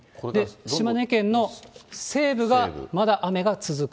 島根県の西部がまだ雨が続く。